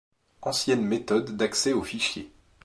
Ancienne méthode d’accès aux fichiers.